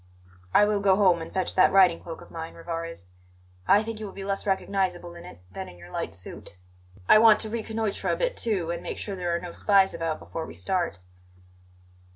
"I will go home and fetch that riding cloak of mine, Rivarez. I think you will be less recognizable in it than in your light suit. I want to reconnoitre a bit, too, and make sure there are no spies about before we start."